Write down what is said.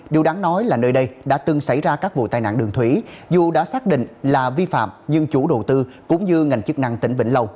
điều đáng nói là nơi đây đã từng xảy ra các vụ tai nạn đường thủy dù đã xác định là vi phạm nhưng chủ đầu tư cũng như ngành chức năng tỉnh vĩnh long